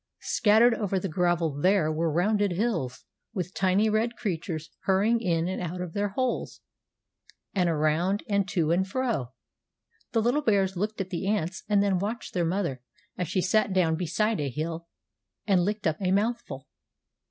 Scattered over the gravel there were rounded hills, with tiny red creatures hurrying in and out of their holes, and around and to and fro. The little bears looked at the ants and then watched their mother as she sat down beside a hill and licked up a mouthful.